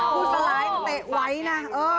ครูสลาคุณเตะไว้นะ